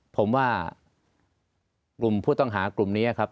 ผมว่ากลุ่มผู้ต้องหากลุ่มนี้ครับ